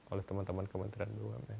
oleh teman teman kementerian doam ya